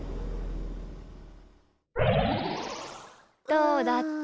どうだった？